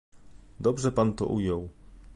Dobrze pan to ujął!